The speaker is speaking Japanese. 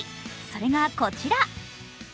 それがこちら。